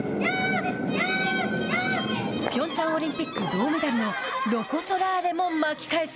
ピョンチャンオリンピック銅メダルのロコ・ソラーレも巻き返す。